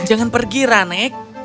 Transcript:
jangan pergi rane